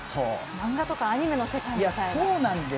漫画とかアニメの世界みたいな。